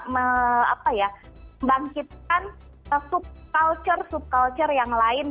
membangkitkan subculture subculture yang lain